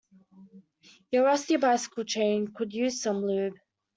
Your rusty bicycle chain could use some lube.